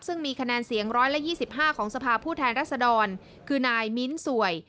ซึ่งมีคะแนนเสียง๑๒๕ของสภาพผู้แทนรัศดรคือนายมิ้นสวย